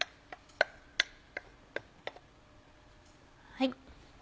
はい。